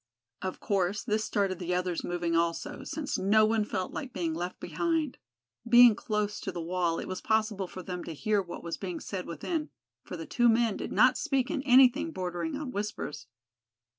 Of course this started the others moving also, since no one felt like being left behind. Being close to the wall, it was possible for them to hear what was being said within; for the two men did not speak in anything bordering on whispers.